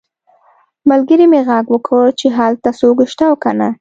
ملګري مې غږ وکړ چې هلته څوک شته او که نه